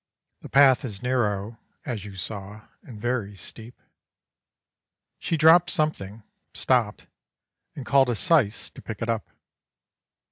The path is narrow, as you saw, and very steep. She dropped something, stopped, and called a syce to pick it up.